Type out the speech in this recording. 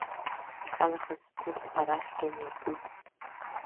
Иахьанахыс урҭ арахь рымҩа куп.